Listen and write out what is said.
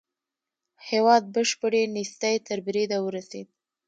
هېواد بشپړې نېستۍ تر بريده ورسېد.